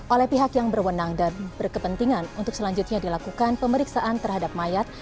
oleh pihak yang berwenang dan berkepentingan untuk selanjutnya dilakukan pemeriksaan terhadap mayat